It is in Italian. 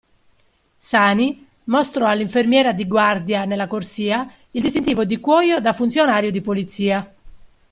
Sani mostrò all'infermiera di guardia nella corsia il distintivo di cuoio da funzionario di polizia.